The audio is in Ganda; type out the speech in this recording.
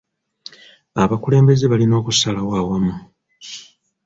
Abakulembeze balina okusalawo awamu.